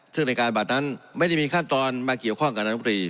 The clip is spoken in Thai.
ซึ่งในการบัตรนั้นไม่ได้มีขั้นตอนมาเกี่ยวข้องกับนายมตรี